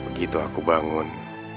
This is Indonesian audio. begitu aku bangun